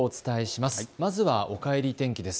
まずは、おかえり天気です。